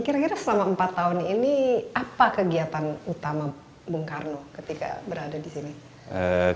kira kira selama empat tahun ini apa kegiatan utama bung karno ketika berada di sini